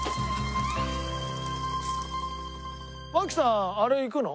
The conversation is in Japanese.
槙さんあれ行くの？